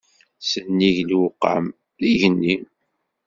Sennig lewqam, d igenni.